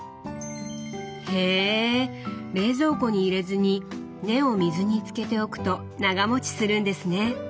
へ冷蔵庫に入れずに根を水につけておくと長もちするんですね。